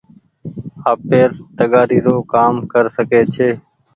آپير تگآري رو ڪآم ڪر سکي ڇي۔